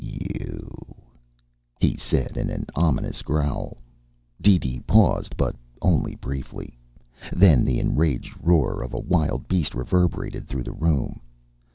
"You," he said, in an ominous growl. DeeDee paused, but only briefly. Then the enraged roar of a wild beast reverberated through the room.